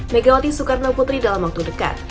megawati soekarno putri dalam waktu dekat